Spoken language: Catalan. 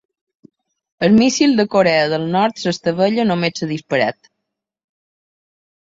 El míssil de Corea del Nord s'estavella només ser disparat